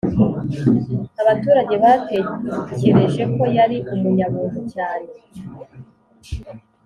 abaturage batekereje ko yari umunyabuntu cyane.